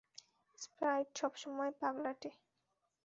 Sprite সবসময়ই পাগলাটে।